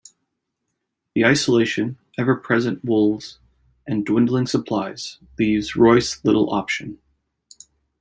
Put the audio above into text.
The isolation, ever-present wolves and dwindling supplies leaves Royce little option.